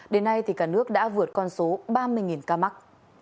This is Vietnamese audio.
đến nay cả nước đã vượt con số ba mươi ca mắc